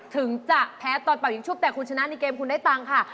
ถึงจะแพ้ตอนเป่ายิงชุบแต่คุณชนะในเกมคุณได้ตังค์ค่ะ